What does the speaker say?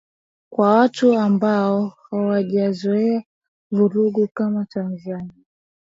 kwa watu ambao hawajazoea vurugu kama tanzania